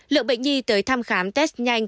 lượng bệnh nhi tới thăm khám test nhanh